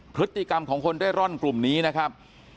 พฤติกรรมของคนเร่ร่อนกลุ่มนี้นะครับ